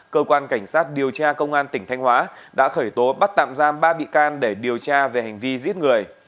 cơ quan cảnh sát điều tra công an tp hcm đã khởi tố bắt tạm giam ba bị can để điều tra về hành vi giết người